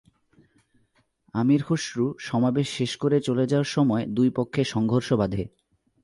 আমীর খসরু সমাবেশ শেষ করে চলে যাওয়ার সময় দুই পক্ষে সংঘর্ষ বাধে।